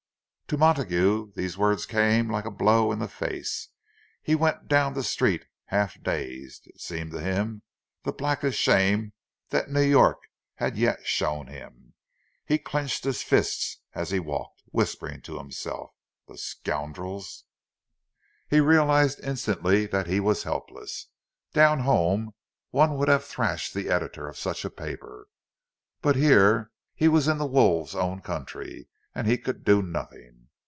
To Montague these words came like a blow in the face. He went on down the street, half dazed. It seemed to him the blackest shame that New York had yet shown him. He clenched his fists as he walked, whispering to himself, "The scoundrels!" He realized instantly that he was helpless. Down home one would have thrashed the editor of such a paper; but here he was in the wolves' own country, and he could do nothing.